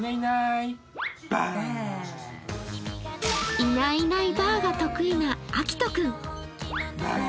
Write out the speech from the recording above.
いないいないばあが得意なあきと君。